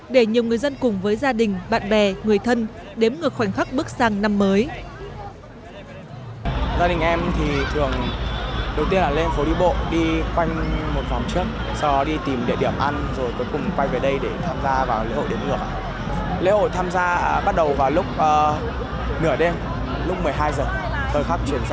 dân cùng với gia đình bạn bè người thân đếm ngược khoảnh khắc bước sang năm mới